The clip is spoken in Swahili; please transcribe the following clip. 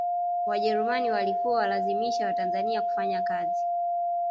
wajerumani walikuwa walazimisha watanzania kufanya kazi